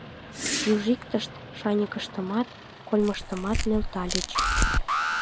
Южиктышт шаньыкыштымат, кольмыштымат нӧлтальыч.